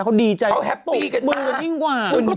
เขาดีใจตกมือกันนิ่งกว่าเขาแฮปปี้กันมาก